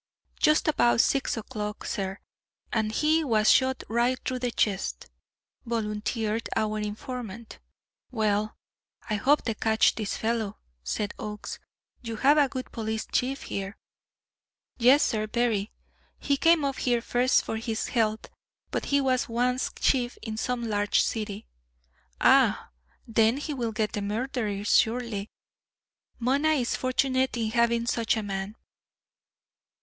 "Just about six o'clock, sir and he was shot right through the chest," volunteered our informant. "Well, I hope they catch this fellow," said Oakes. "You have a good police chief here." "Yes, sir, very. He came up here first for his health; but he was once chief in some large city." "Ah, then he will get the murderer surely. Mona is fortunate in having such a man."